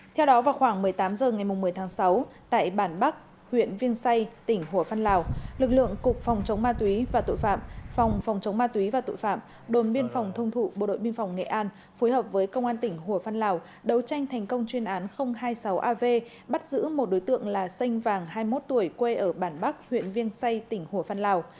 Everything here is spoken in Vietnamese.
theo đó vào khoảng một mươi tám h ngày một mươi tháng sáu tại bản bắc huyện viên say tỉnh hồ phan lào lực lượng cục phòng chống ma túy và tội phạm phòng phòng chống ma túy và tội phạm đồn biên phòng thông thụ bộ đội biên phòng nghệ an phối hợp với công an tỉnh hồ phan lào đấu tranh thành công chuyên án hai mươi sáu av bắt giữ một đối tượng là xanh vàng hai mươi một tuổi quê ở bản bắc huyện viên say tỉnh hồ phan lào